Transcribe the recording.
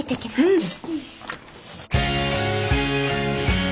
うん。